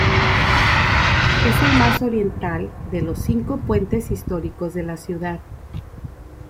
Es el más oriental de los cinco puentes históricos de la ciudad.